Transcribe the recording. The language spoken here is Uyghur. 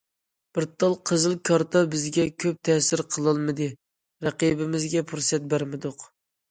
بىر تال قىزىل كارتا بىزگە كۆپ تەسىر قىلالمىدى، رەقىبىمىزگە پۇرسەت بەرمىدۇق.